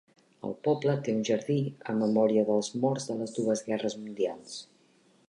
El poble té un jardí en memòria dels morts de les dues guerres mundials.